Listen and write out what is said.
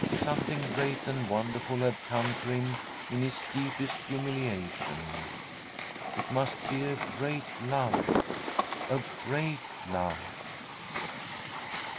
Something gvt^<*^ and wonderful had come to him in \m dee)^<^^t huuuliation. It must be a great lovc ^ gitH^t K^ve.